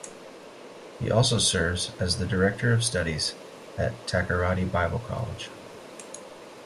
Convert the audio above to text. He also serves as the Director of Studies at Takoradi Bible College.